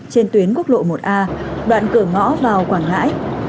trên tuyến quốc lộ một a đoạn cửa ngõ vào quảng ngãi